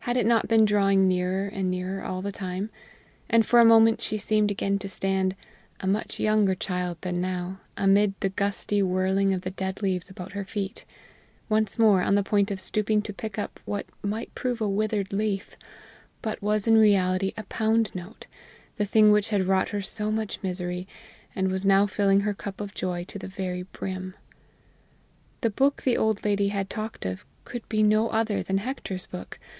Had it not been drawing nearer and nearer all the time? And for a moment she seemed again to stand, a much younger child than now, amid the gusty whirling of the dead leaves about her feet, once more on the point of stooping to pick up what might prove a withered leaf, but was in reality a pound note, the thing which had wrought her so much misery, and was now filling her cup of joy to the very brim. The book the old lady had talked of could be no other than Hector's book.